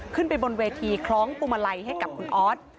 ขึ้นไปบนเวทีคล้องพวงมาลัยให้กับคุณออส